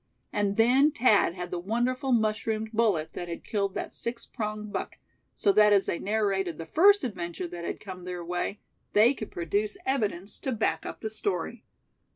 And then Thad had the wonderful mushroomed bullet that had killed that six pronged buck; so that as they narrated the first adventure that had come their way, they could produce evidence to back up the story.